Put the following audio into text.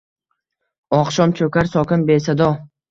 Oqshom cho’kar sokin, besado